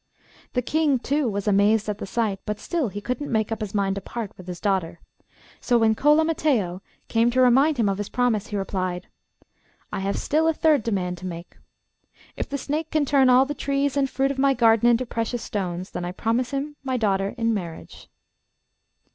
The King, too, was amazed at the sight, but still he couldn't make up his mind to part with his daughter, so when Cola Mattheo came to remind him of his promise he replied, 'I have still a third demand to make. If the snake can turn all the trees and fruit of my garden into precious stones, then I promise him my daughter in marriage.